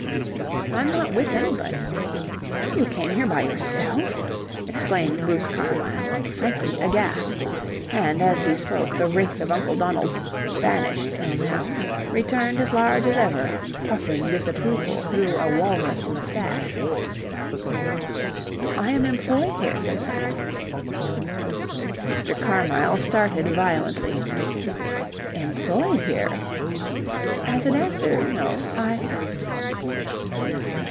"I'm not with anybody." "You came here by yourself?" exclaimed Bruce Carmyle, frankly aghast. And, as he spoke, the wraith of Uncle Donald, banished till now, returned as large as ever, puffing disapproval through a walrus moustache. "I am employed here," said Sally. Mr. Carmyle started violently. "Employed here?" "As a dancer, you know. I..."